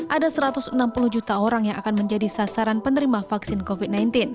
ada satu ratus enam puluh juta orang yang akan menjadi sasaran penerima vaksin covid sembilan belas